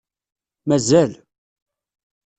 Mazal.